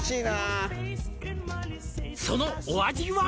「そのお味は？」